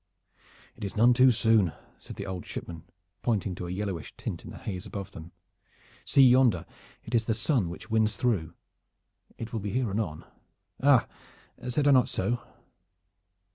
"It is none too soon," said the old shipman, pointing to a yellowish tint in the haze above them. "See yonder! It is the sun which wins through. It will be here anon. Ah! said I not so?"